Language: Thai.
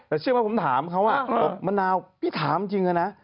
แต่เชื่อว่าผมถามเขาบอกมะนาวพี่ถามจริงนะ